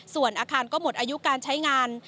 ส่วนอาคารก็หมดอายุการใช้งาน